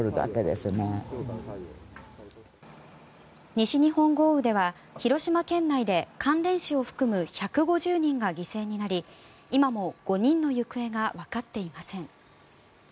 西日本豪雨では広島県内で関連死を含む１５０人が犠牲になり今も５人の行方がわかっていません。